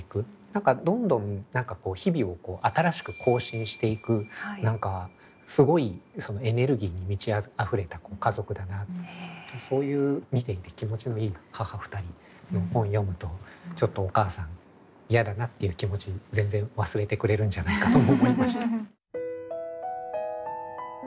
何かどんどん日々を新しく更新していく何かすごいそのエネルギーに満ちあふれた家族だなってそういう見ていて気持ちのいい「母ふたり」の本読むとちょっとお母さん嫌だなっていう気持ち全然忘れてくれるんじゃないかと思いました。